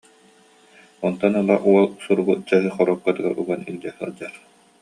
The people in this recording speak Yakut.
Онтон ыла ол суругу чаһы хоруопкатыгар уган илдьэ сылдьар